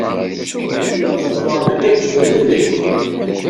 Asegbar-nni la yettezriri.